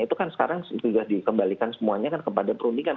itu kan sekarang sudah dikembalikan semuanya kan kepada perundingan